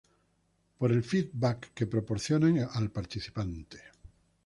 Por el Feedback que proporcionan al participante.